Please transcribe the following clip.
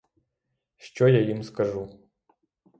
Що я їм скажу?